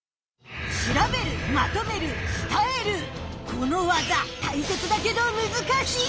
この技たいせつだけどむずかしい！